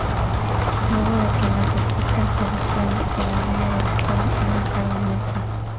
Luego de que la gotita se desprende, el anillo recupera una carga neutra.